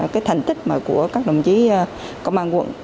cái thành tích mà của các đồng chí công an quận